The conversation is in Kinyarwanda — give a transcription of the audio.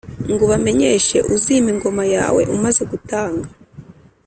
ngo ubamenyeshe ūzima ingoma yawe, umaze gutanga.